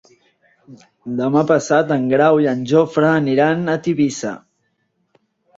Demà passat en Grau i en Jofre aniran a Tivissa.